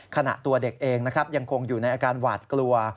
ตัวเด็กเองนะครับยังคงอยู่ในอาการหวาดกลัว